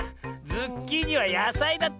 ズッキーニはやさいだった。